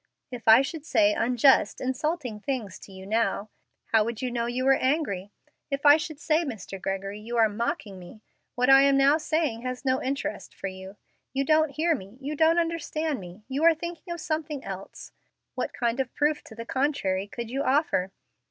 If I should say unjust, insulting things to you now, how would you know you were angry? If I should say, Mr. Gregory, you are mocking me; what I am now saying has no interest for you; you don't hear me, you don't understand me, you are thinking of something else, what kind of proof to the contrary could you offer?